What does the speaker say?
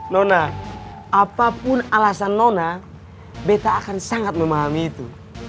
nona apapun alasan nona beta akan sangat memahami itu